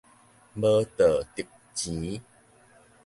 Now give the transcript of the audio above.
無道德錢